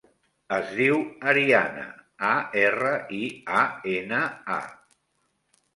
Es diu Ariana: a, erra, i, a, ena, a.